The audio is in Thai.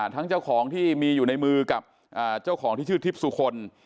ทั้งเจ้าของที่มีอยู่ในมือกับเจ้าของที่ชื่อทิพย์สุคล